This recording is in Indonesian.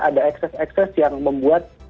ada ekses ekses yang membuat